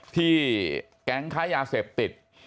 ที่แก๊งค้ายาเสพติด